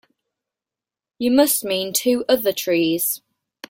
You must mean two other trees.